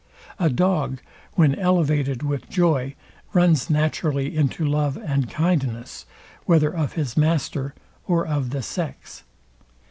A dog, when elevated with joy, runs naturally into love and kindness, whether of his master or of the sex.